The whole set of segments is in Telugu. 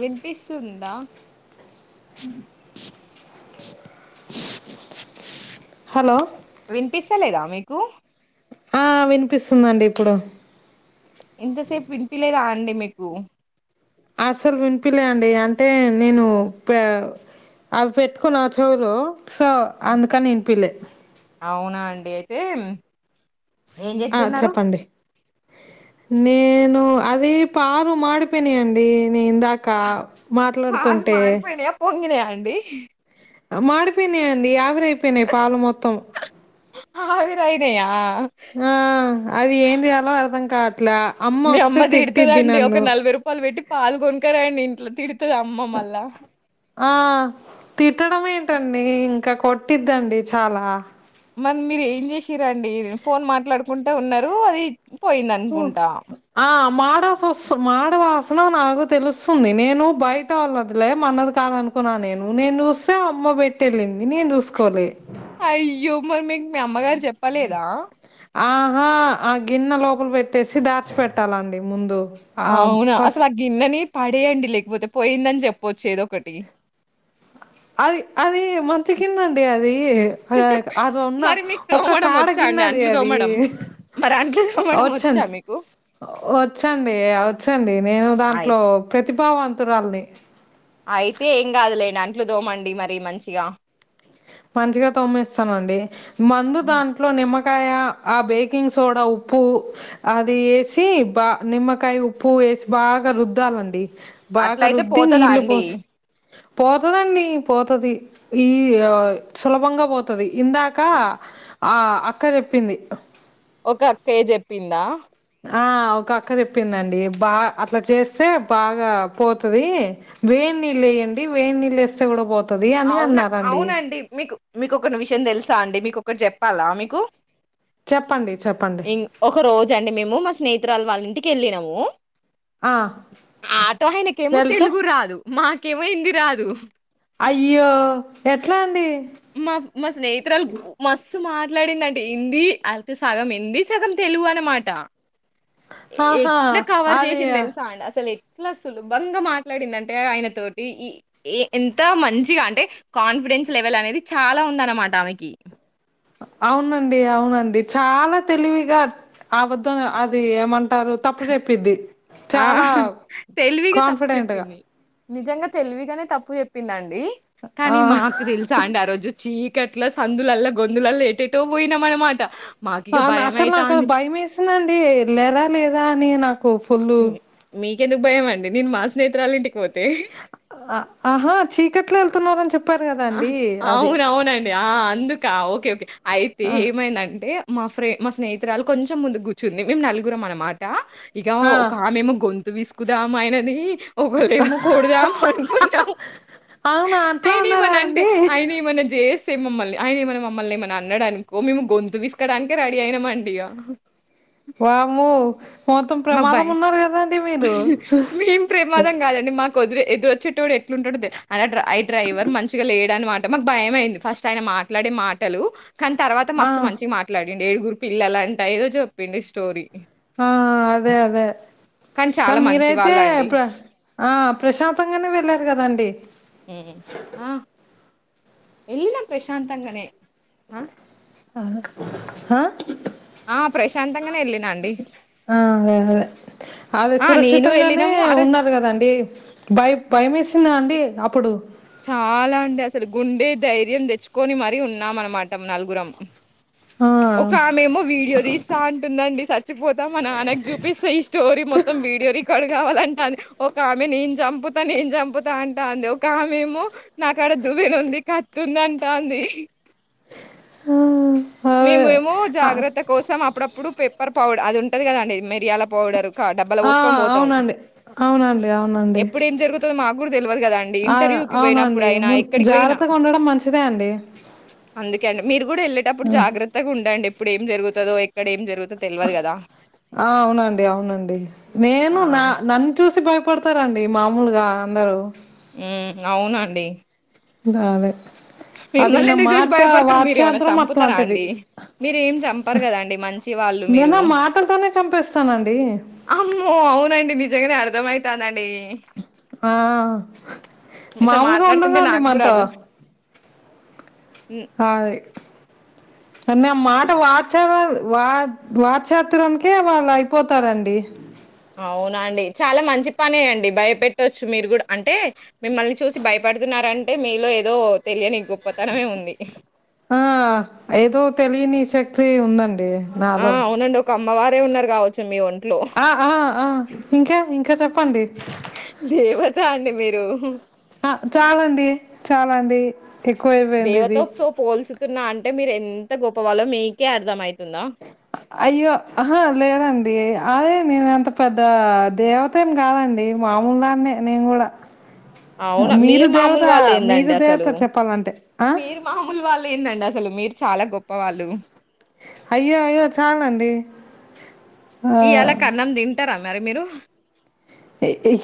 వినిపిస్తుందా హలో వినిపిస్తలేదా మీకు ఆ వినిపిస్తుందండి ఇప్పుడు ఇంతసేపు వినిపిలేద అండి మీకు అస్సలు వినిపిలే అండి అంటే నేను అవి పెట్టుకున్నా ఆ చెవులో సో అందుకనినిపిల్లే అవునా అండి అయితే ఎం ఏం ఆ చేతున్నారు చెప్పండి నేను అది పాలు మాడిపోయినాయి అండి నీ ఇందాకా పాలు మాట్లాడుతుంటే మాడిపోయినాయా పొంగినాయా అండి మాడిపోయినాయిండి ఆవిరి అయిపోయినాయి పాలు మొత్తం అవిరీ అయినయా ఆ అది ఏందిచేయాలే అర్థం క మీ అమ్మ తిడుతదాండి ఒక నలభై రూపాయలు పెట్టి పాలుగొనకరా అండి ఇంట్లో తిడుతుంది అమ్మ మళ్ళా ఆ తిట్టడం ఏంటండి ఇంకా కొట్టిద్దండి చాలా మరి మీరు ఏం చేసిరండి ఫోన్ మాట్లాడుకుంటే ఉన్నారు అది పోయింది అనుకుంటా ఆ మాడ మాడ వాసన నాకు తెలుస్తుంది నేను బయట వాళ్ళదిలే మనది కాదు అనుకున్నా నేను నేను చూస్తే అమ్మ పెట్టి వెళ్ళింది నేను చూసుకోలే అయ్యో మరి మీకు మీ అమ్మగారు చెప్పలేదా ఆహా ఆ గిన్నె లోపల పెట్టేసి దాచి పెట్టాలండి ముందు ఆ ఆవునా అసలు ఫస్ట్ ఆ గిన్నె నీ పడేయండి లేకపోతే పోయిందని చెప్పవచ్చు ఏదో ఒకటి అది అది మంచి గిన్నె అండి అది అన్న మరి మీకు ఒక తోమడం కాడ వచ్చా అండి గిన్నె అంట్లు అది తోమడం మరి అంట్లు అ తోమడం వచ్చా వచ్చన్ మీకు? వచ్చింది వచ్చండి నేను ఆయ్ దాంట్లో భవన్ంత రల్ని అయితే ఏం కాదులేండి అంట్లు దోమండి మరి మంచిగా మంచిగా తోమ్మిస్తానండి మందు దాంట్లో నిమ్మ కాయ ఆ బేకింగ్ సోడా ఉప్పు అది వేసి బా నిమ్మకాయ ఉప్పు వేసి బాగా రుద్దాలండి బాగా అట్లయితే రుద్ది పోతదా నీళ్లు అండి? పోసి పోతుదండి పోతుది ఈ ఆ సులభంగా పోతది ఇందాక ఆ అక్క చెప్పింది ఒక అక్కయ్య చెప్పిందా ఆ ఒక అక్క చెప్పిందండి బా అట్లా చేస్తే బాగా పోతుంది వేడి నీళ్ళు వేయండి వేడి నీళ్ళు వేస్తే కూడా పోతు అవునా అవునండి మీకు మీకొ ఒక విషయం తెలుసా అండి మీకు ఒకటి చెప్పాలా మీకు చెప్పండి చెప్పండి ఇం ఒక రోజు అండి మేము మా స్నేహితురాలు వాళ్ళంటి కెళ్ళినం ఆ ఆటో ఆయనకేమో వెళ్తే తెలుగు రాదు మాకేమైంది రాదు అయ్యో ఎట్లా అండి మ మా స్నేహితురాలు మస్తు మా ట్లాడిందంటే హిందీ అయితే సగం హిందీ సగం తెలుగు అనమాట ఆహా ఎట్లా కవర్ అది చేసింది తెలుసా అండి అసలు ఎ చాలా సులభంగా మాట్లాడిందంటే ఆయన తోటి ఈ ఏ ఎంత మంచిగా అంటే కాన్ఫిడెన్స్ లెవెల్ అనేది చాలా ఉందన్నమాట ఆమెకి అవునండి అవునండి చాలా తెలివిగా ఆ వద్ద అది ఏమం టారు తప్పు చెప్పిద్ది ఆ! చాలా తెలివిగా తప్పు కాన్ఫిడెంట్గా చెప్పింది. నిజంగా తెలివిగానే తప్పు చెప్పిందం డి ఆ కానీ మాకు తెలుసా అండి ఆ రోజు చీ అట్లా సందులల్లా గొందులల్ల ఏటేటో పోయినాం అనమాట అసలు నాకు భయం వేసిందండి లెర లే నే నా మీకెందుకు భయమండి నేను మాస్ స్నేహితురాలు ఇంటికి పో ఆ ఆహా చీకట్లో వెళ్తున్నారని చెప్ అవునవునండి ఆ అందుకా ఓకే ఓకే అయితే ఆ ఏమైందంటే మా ఫ్రె మా స్నేహితురాలు కొంచెం ముందు కూర్చుంది మేము నలుగురం అన్నమాట ఇక ఆ ఒక ఆమె ఏమో గొంతు విసుకుదాం ఆయనది ఒకళేమో కొడుదాం అనుకుంటాము అవునా అట్లా ఆయన అన్నారా ఏమన్నా అంటే అండి ఆయన ఏమన్నా జే సేమ్ మమ్మల్ని అయన ఏమైనా మమ్మల్ని ఏమన్నా అన్నాడనుకో మేము గొంతు పిసుకడానికే రెడీ అయినామండి ఇగ వామ్మో మొత్తం మాకు భయం ప్రమాదం ఉన్నారు కదండి మీరు ఇ వచ్చేటోడు ఎట్లుంటాడు అ డ్రైవర్ మంచిగా లేడనమాట మాకు భయం అయింది ఫస్ట్ ఆయన మాట్లాడే మాటలు కానీ తర్వాత ఆ మస్తు మంచి మాట్లాడ ఏడుగురు పిల్లల లంట ఏదో చెప్పిండు స్టోరీ ఆ అదే అదే కానీ ఇక్కడ చాలా మంచి మీరైతే వాళ్ళండి. ప్ర ఆ ప్రశాంతంగానే వెళ్ళారు కదండి వెళ్ళినా ప్రశాంతంగానే ఆ! ఆహా హా ఆ ప్రశాంత ఆ అదే అదే అదే ఆ! నేను సురక్షితంగానే ఎళ్ళినము. ఆ రోజు ఉన్నారు కదండి భయ భయమేసిందా అండి అప్పుడు చాలా అండి అసలు గుండె ధైర్యం తెచ్చుకొని మరీ ఉన్నామ అన్నమాట నలుగురము ఆ ఒక ఆమెమో వీడియో తీస్తా అంటుందండి చచ్చిపోతా మా నాన్నకు చూపిస్తే ఈ స్టోరీ మొత్తం వీడియో రికార్డ్ కావాల ఒక ఆమె నేను చంపుతా నేను చంపుతా అంటా అంది ఒక ఆమె మేము నాక్కడ దువ్విన ఉంది కా తుంది అంటాది ఆ అదే మేమేమో జాగ్రత్త కోసం అప్పుడప్పుడ ప్పుడు పెప్పర్ పౌడర్ అది ఉంటది కదండి మిరియాల పౌడర్ డబ్బాల ఆ పోసుకొని పోతాం అవునండి అవునండి అవునండి ఎప్పుడు ఏం జరుగుతుందో మాకు కూడా తెలవదు కదా అండి ఆ ఇంటర్వ్యూ కి పోయినప్పుడు అవునండి అయినా ము ఎక్కడికి పోయినా జాగ్రత్తగా ఉండడం మంచిదే అండి అందుకే అండి మీరు కూడా వెళ్ళేటప్పుడు జాగ్రత్తగా ఉండండి ఇప్పుడు ఏం జరుగుందో ఇక్కడ ఏం జరుతు ఆ అవునండి అవునండి నేను ఆ నా నన్ను చూసి బయ పడతారండి మామూలుగా అందరు అవునండి దావే మిమ్మల్ని ఎందుకు చూసి భయపడతారు మీరు ఏమన్నా చంపుతారా అట్లాంటిది అండి మీరేం చంపారు కదండి మంచి వాళ్ళు నేను మీరు ఆ మాటలతోనే చంపేస్తానండి అమ్మో అవునండి నిజంగానే అర్థమయి కదండీ ఆ అ మీతో మామూలుగా మాట్లాడుతుంటే ఉండదండి నాకు గూడా మనతో అర్థం హ్మ్. హాయ్ అన్న ఆ మాట వార్చ వా వట్షాత్రరకే వాళ్ళు అయిపోతారండి అవునా అండి చాలా మంచి పనే అండి భయపెట్టచ్చు మీరు కూడా అంటే మిమ్మల్ని చూసి భయపడుతుర అంటే మీలో ఏదో తెలియనీ గొప్ప ఆ ఏదో తెలియని శక్తి క్తి ఉందండి ది ఆ! నాలో అవునండి. ఒక అమ్మవారే ఉన్నారు గావచ్చు మీ ఒన్ ఆ ఆ ఆ ఇంకా ఇంకా చప్ ప్పండి లేేవత్ తాండి మీరు ఊహు ఆ చాలండి చాలా అండి ఎక్కువయిపెంది ఇది తున్న అంటే మీర్ ఎంత గొప్పవాళ్లో మీకే అర్దమై అయ్యో అహా లేదండి అ అదే నేను అంత పెద్ద దేవత ఏం కాదండి మామూలు దాన్నే నేను గుడా అవునా మీరు మామూలు వాళ్ళు మీరు ఏందండి దేవత అసలు చెప్పాలంటే ఆ? మీరు మామూలు వాళ్ళు ఏందండి అసలు మీరు చాలా గొప్ పవాళ్ళు అయ్యో అయ్యో చాలండి ఆ, ఈయాళ కన్నం తింటారా మరి మీరు ఏ ఏ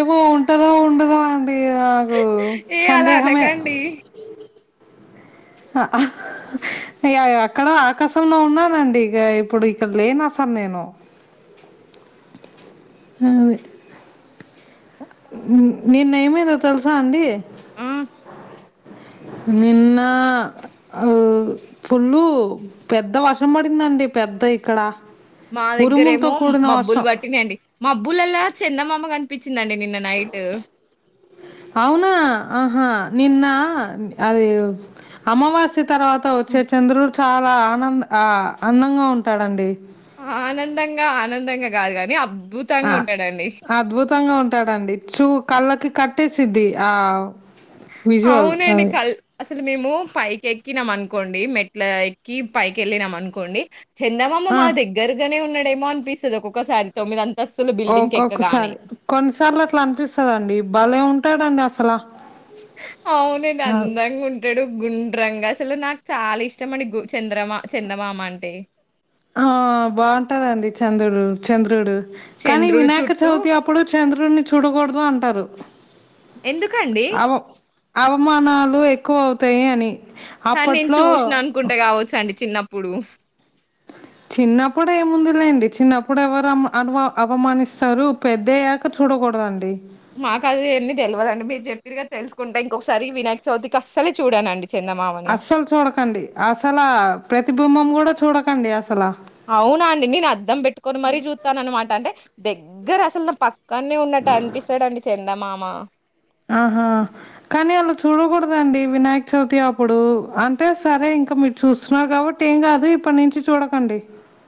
ఏమో ఉంటదో ఉండదో అన్ దీ నాకు ఏ అలా సందేహమే అనకండి. హా ఇగ ఇగ అక్కడో ఆకాశంలో ఉన్నానండి ఇగ ఇప్పుడు ఇక్కడ లేను అసల్ నేను ఉంది నిన్ నిన్న ఏమే ఏదో తెల్సా అండి ఆ! నిన్న అవు ఫుల్లు పెద్ద వర్షం పడిందండి పెద్ద ఇక్కడ మా దగ్గర ఉరుములతో ఏమో మ్మ్ కూడిన మబ్బులు వర్షం బట్టినై అండి మబ్బులలో చందమామ కనిపించ్ అవునా ఆహా నిన్న అది అమావాస్ త్రి తర్వాత హ్మ్. ఒచ్చే చంద్రుడ్ చాలా ఆనంద్ ఆ అందంగా ఉంటాడండి ఆనందంగా ఆనందంగా కాదు గాని అబ్ ఆ అద్భుతంగా ఉంటాడండి చూ కళ్ళకి కట్ ట్టే సిద్ధి ఆ విజువల్ అవునండి అది కల్ అస్ అసలు మేము పైక్ ఎక్కినం అన్కోండి మెట్లా ఎక్కి పైకి ఎళ్ళినం అనుకోండి చందమామ మా ఆ. దెగ్గరగనే ఉన్నట్ డెమో అనిపిస్తది ఒక్కొక్కసారి తొమ్మిద్ అంత్ ఓక్కొక్కసారి కొన్నిసార్లు అట్ల అనిపిస్తదండి బలే ఉంట్ టడండి అసలా అవునండి అందంగ్ ఉంటడు గుండ్రంగ అస్సలు నాకు చాలా ఇష్టం అండి గు చంద్రమ చందమామ అంటే ఆహ్ బావుటదండి చందురు చంద్రుడు కాని చంద్రుడు వినాయక చుట్టూ చవితి అప్పుడు చంద్రున్ని చూడగూడదు అంటారు. ఎందుకండి? అఓ అవమానాలు ఎక్ క్కువ్ అవుతాయి అని కాని నేన్ అప్పట్లో చూసిన అనుకుంట కావచ్చు అండి చిన్నప్ ప్పుడు చిన్నప్పుడు ఏముంది లేండి చిన్నప్పుడు ఎవరు అమ అనుమ అవమానిస్తారు పెద్దయ్యాక చూడగూడదండి. మాకది ఎన్ని దెల్వదండి మీరు జెప్. విరిగ తెలుసుకుంట ఇంకోకసారి ఈ వినాయక్ చవితికి అస్సలే చూడానండి. అస్సలు చూడకండి అస్సల ప్రతిబింబం గూడ్ చూడకండి అసలా అవునా అండి నేన్ అద్దం బెట్టుకొని మరీ జుతన్ అనమాట అంటే. దగ్గర అస్సలు నా పక్ క్కనే ఉన్నట్టు అనిపిస్తాడండి చందమామ్ మ అహా కాని అలా చూడగూడదండి వినాయక చవితి అప్పుడు అంటే సరే ఇంక మీర్ చూస్తున్నారు గాబట్టి ఏం గాదు ఇప్పటి నుంచి చూడకండి.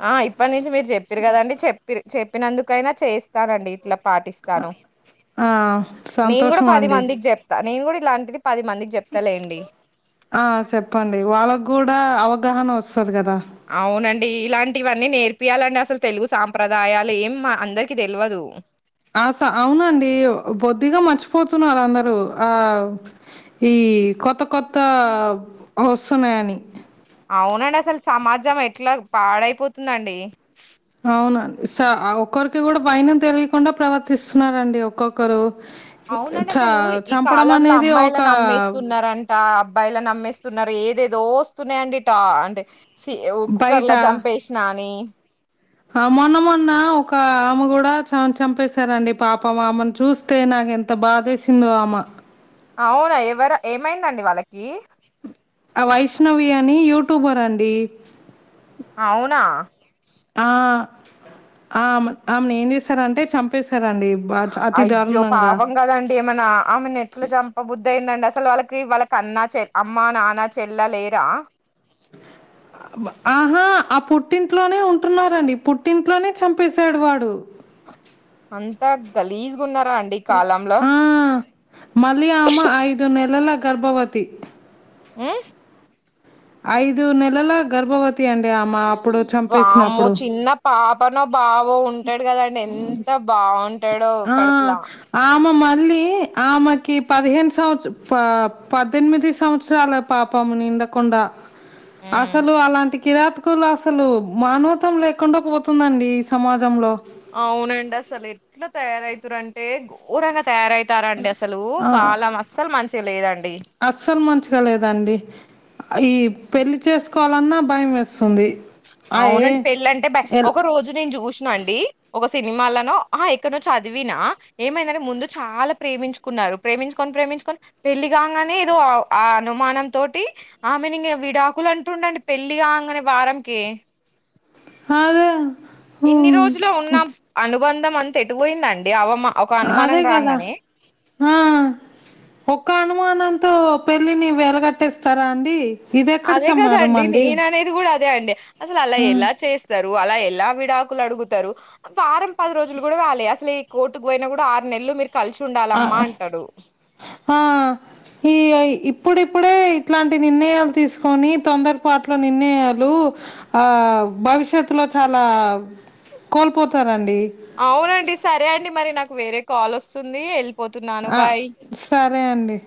అహ్ ఇప్పట్ని నుంచి మీరు జెప్పిరు గదండి చెప్పిరు చెప్ ప్పినందుకైనా చేస్ స్తానండి ఇట్ల పాటిస్తాను ఆ! నేన్ గూడా సంతోషం పది అండి. మందికి జెప్తా నేన్ గూడా ఇట్లా ఇది పది మందికి జెప్తాలేండి. ఆహ్ సెప్పండి వాళ్ల గూడ్ దా అవగాహన వస్తది గదా అవునండి ఇలాంటివన్నీ నేర్పియాలండి అస్సలు తెలుగు సాంప్రదాయాలు ఏం అందరికి తెల్వదు ఆస అవునండి బొత్తిగా మర్చిపోతున్నారు అందరూ ఆహ్ ఈ కొత్త కొత్త వస్సున్నాయని అవునండి అసలు సమాజం ఎట్లాగ్ పాడైపోతుందండి. కి గూడా వైనం తెలియికుండ ప్రవర్తిస్తున్నారండి ఒక్కొక్కరు. అవునండి చ అస్సలు ఈ చంపడం కాలంలో అనేది ఒక అమ్మాయలను అమ్మేస్తున్నారంట అబ్బాయలను అమ్మేస్. త్తున్నారు ఏదేదో వస్తున్నాయండి టా అంటే స్సి ఒ కుక్కర్ ర్ల జంపేషినా అని హా మొన్న మొన్న ఒక ఆమె గూడా చ చంపేశారండి పాపం ఆమెను చూస్తే నాకు ఎంత బాధేసిందో ఆమ అవున ఎవరు ఏమైందండి వాళ్లకి. అ వైష్ణవి అని యూట్యూబర్ అండి అవునా అ ఆమె ఆమెను ఏం చేసారంటే చంపే అయ్యో పాపం కదండి అమనా ఆమెను ఎట్ల చంప బుద్ది అయిందండి అ సలు వాళ్లకి వాళ్లకి అన్న చె అమ్మా నాన్న చెల్ల లేరా అహా ఆ పుట్టింట్లోనే ఉంటున్నారు అండి పుట్టింట్లోనే చంపేశాడు వాడు అంత గలీజ్ మ్ ఆ మల్లి ఆమె ఐదు నెలల గర్భవతి మ్ ఐదు నెలల గర్భవ హూ వామో చిన్న పా ప నో బాబో ఉంటాడు కదాండి ఎంత బాగుం అ ఆ మె మళ్లీ ఆమెకి పదిహేను సంవత్సర పద్దెనిమిది సంవత్సరాల పాపము నిండకుండా ఉమ్ అసలు అలాంటి కిరాతకులు అసలు మానవత్వం లేకుండా పోతుందండి ఈ సమాజంలో అవునండి అసలు ఎట్లా తయారవుతురంటే ఘోరంగా తయారయి తారండి అసలు ఆ కాలం అస్సలు మంచి తెలియదం అస్సలు మంచిగా లేదండి ఈ పెళ్లి చేసుకోవాలన్నా భయం వేస్తుంది ఆ ఏ అవునండి పెళ్ళింటే బ ఎల్ ఒక రోజు నేను చూసిన అండి ఒక సినిమాలనో ఆ ఎక్కడో చదివినా ఏమైందంటే ముందు చాలా ప్రేమించుకున్నారు ప్రేమించుకొని ప్రేమించుకొని పెళ్ళి కాగానే ఏదో ఆ అనుమానం తోటి, ఆ మీనింగ్ విడాకులు అంటుండండి పెళ్లి కాగానే వారంకి అ అదే ఇన్ని రోజులో ఉన్నాం అను వంద మంత ఎటు పోయిందండి అ అదే కదా ఆ ఒక్క అనుమానంతో పెళ్ళి నీ వెేలగట్టేస్తారా అండి ఇదెక్కడ అదే సమారం కదాండి అండి నేన అనేది కూడా అదే అండి అసలు అలా ఆ ఎలా చేస్తారు అలా ఎలా విడాకులు అడుగుతారు, వారం పది రోజులు కూడా కాలే, అసలు ఈ కోర్టుకు పోయినా కూడా ఆరు నెలలు మీరు కలిసి ఉండాలమ్మా అంటాడు. ఆ ఈ ఇ ఇప్పుడిప్పుడే ఇట్లాంటి నిర్ణయాలు తీసుకొని తొందరపాట్ల నిర్ణయాలు, ఆ భవిష్యత్ లో చాలా కోల్పోతారండి అవునండి సరే అండి మరి నాకు వేరే కాల్ వస్తుంది ఎల్ పోత నాను ఆ భాయ్ సరే అండి.